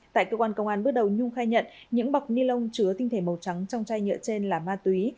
tại cơ quan công an bước đầu nhung khai nhận những bọc ni lông chứa tinh thể màu trắng trong chai nhựa trên là ma túy